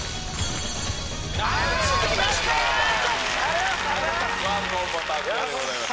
ありがとうございます